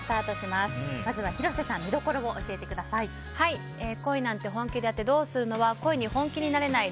まずは広瀬さん見どころを教えてください。